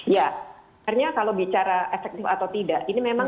ya sebenarnya kalau bicara efektif atau tidak